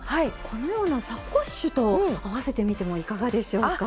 このようなサコッシュと合わせてみてもいかがでしょうか？